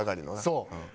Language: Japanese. そう。